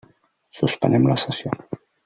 Suspenem la sessió.